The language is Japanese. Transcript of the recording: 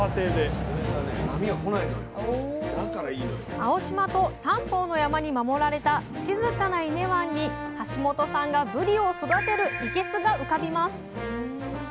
青島と三方の山に守られた静かな伊根湾に橋本さんがぶりを育てるいけすが浮かびます。